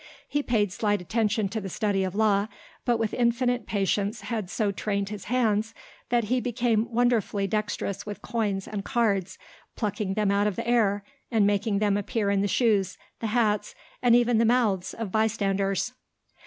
He paid slight attention to the study of law, but with infinite patience had so trained his hands that he became wonderfully dexterous with coins and cards, plucking them out of the air and making them appear in the shoes, the hats, and even in the mouths, of bystanders.